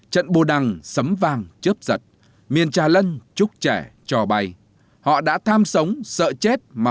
trận bồ đăng sấm vang chớp giật miền trà lân trúc trẻ trò bay họ đã tham sống sợ chết mà